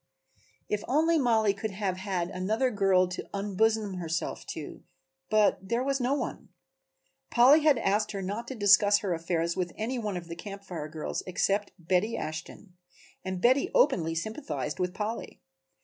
If only Mollie could have had another girl to unbosom herself to, but there was no one; Polly had asked her not to discuss her affairs with any one of the Camp Fire girls except Betty Ashton, and Betty openly sympathized with Polly.